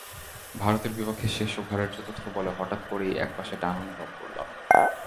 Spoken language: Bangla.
ভারতের বিপক্ষে শেষ ওভারের চতুর্থ বলে হঠাৎ করেই একপাশে টান অনুভব করলাম।